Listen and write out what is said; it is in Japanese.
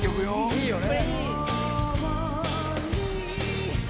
「いいよね」